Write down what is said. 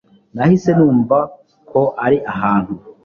Nahise numva ko ari ahantu